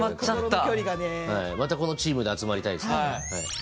またこのチームで集まりたいですね。